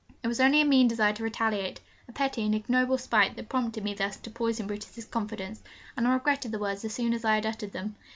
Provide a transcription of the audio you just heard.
It was only a mean desire to retaliate, a petty and ignoble spite, that prompted me thus to poison Brutus's confidence, and I regretted the words as soon as I had uttered them.